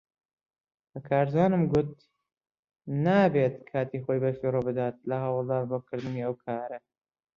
بە کارزانم گوت نابێت کاتی خۆی بەفیڕۆ بدات لە هەوڵدان بۆ کردنی ئەو کارە.